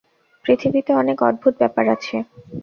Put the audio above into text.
পৃথিবীতে অনেক অদ্ভুদ ব্যাপার আছে।